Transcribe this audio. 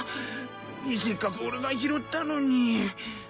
せっかくオレが拾ったのに。